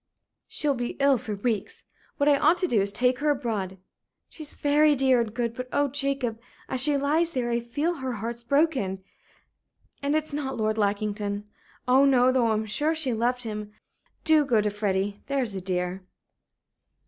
"She'll be ill for weeks. What I ought to do is to take her abroad. She's very dear and good; but, oh, Jacob, as she lies there I feel her heart's broken. And it's not Lord Lackington. Oh no! though I'm sure she loved him. Do go to Freddie, there's a dear."